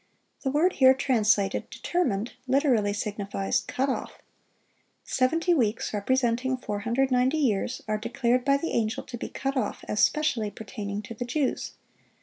The word here translated "determined," literally signifies "cut off." Seventy weeks, representing 490 years, are declared by the angel to be cut off, as specially pertaining to the Jews.